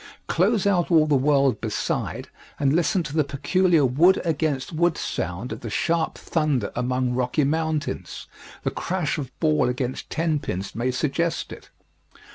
Close out all the world beside and listen to the peculiar wood against wood sound of the sharp thunder among rocky mountains the crash of ball against ten pins may suggest it.